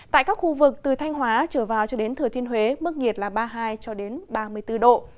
tại các khu vực từ thanh hóa trở vào cho đến thừa thiên huế mức nhiệt là ba mươi hai ba mươi bốn độ